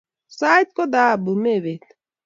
sait ko thahabu mepet